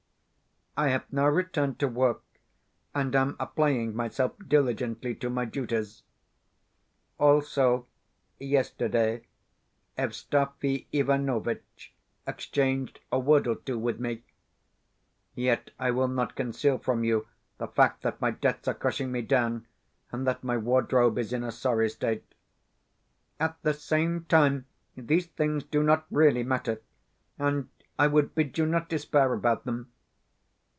I have now returned to work, and am applying myself diligently to my duties. Also, yesterday Evstafi Ivanovitch exchanged a word or two with me. Yet I will not conceal from you the fact that my debts are crushing me down, and that my wardrobe is in a sorry state. At the same time, these things do not REALLY matter and I would bid you not despair about them.